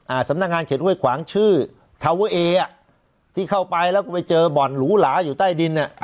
สำนักงานเขตห้วยขวางชื่อทาเวอร์เออ่ะที่เข้าไปแล้วก็ไปเจอบ่อนหรูหลาอยู่ใต้ดินอ่ะ